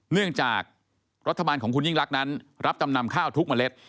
เนื่องจากรัฐบาลของคุณยิ่งรักนั้นรับจำนำข้าวทุกเมล็ด